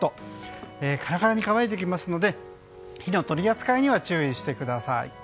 カラカラに乾いてきますので火の取り扱いには注意してください。